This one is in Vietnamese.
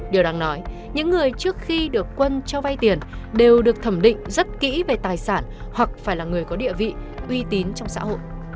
điều đáng nói những người trước khi được quân cho vay tiền đều được thẩm định rất kỹ về tài sản hoặc phải là người có địa vị uy tín trong xã hội